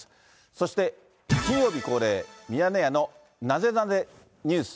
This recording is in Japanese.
そして金曜日恒例、ミヤネ屋のナゼナゼＮＥＷＳ